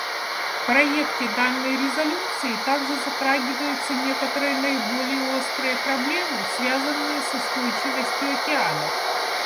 В проекте данной резолюции также затрагиваются некоторые наиболее острые проблемы, связанные с устойчивостью океанов.